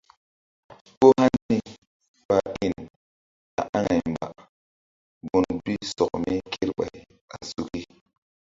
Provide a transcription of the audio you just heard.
Ko hani ɓa in ta aŋay mba gun bi sɔk mi kerɓay a suki.